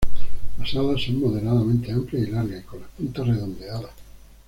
Las alas son moderadamente amplias y largas, y con las puntas redondeadas.